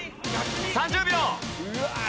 ３０秒前。